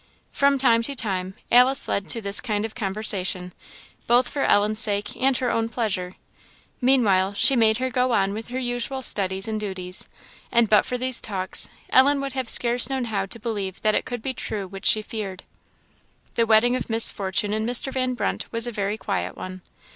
" From time to time, Alice led to this kind of conversation, both for Ellen's sake and her own pleasure. Meanwhile she made her go on with her usual studies and duties; and but for these talks Ellen would have scarce known how to believe that it could be true which she feared. The wedding of Miss Fortune and Mr. Van Brunt was a very quiet one.